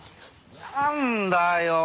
何だよ。